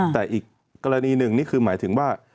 แต่อีกกรณีหนึ่งนี่คือหมายถึงว่า